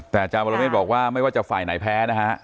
แต่อาจารย์วรเมฆบอกว่าไม่ว่าจะฝ่ายไหนแพ้นะฮะ